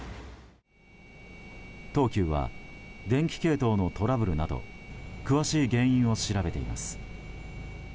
東急は、電気系統のトラブルなど詳しい原因を調べています。